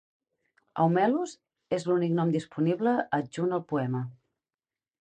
Eumelos er l'únic nom disponible adjunt al poem.